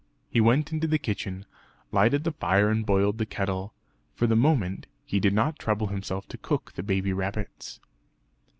He went into the kitchen, lighted the fire and boiled the kettle; for the moment he did not trouble himself to cook the baby rabbits.